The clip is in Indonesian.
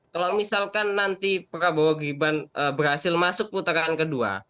bagaimana nanti prabowo griban berhasil masuk putaran kedua